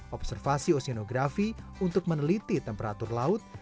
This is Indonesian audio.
observasi oseanografi untuk meneliti temperatur laut